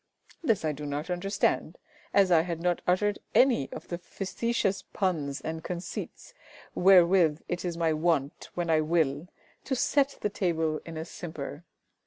This I do not understand, as I had not uttered any of the facetious puns and conceits wherewith it is my wont when I will to set the table in a simper.